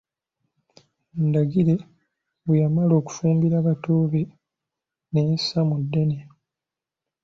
Ndagire bwe yamala okufumbira bato be neyessa mu ddene.